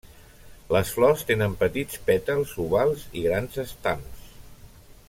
Les flors tenen petits pètals ovals i grans estams.